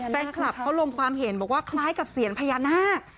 แฟนคลับเขาลงความเห็นบอกว่าคล้ายกับเซียนพญานาค